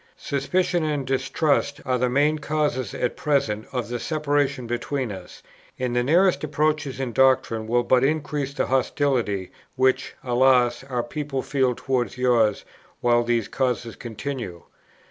Suspicion and distrust are the main causes at present of the separation between us, and the nearest approaches in doctrine will but increase the hostility, which, alas, our people feel towards yours, while these causes continue.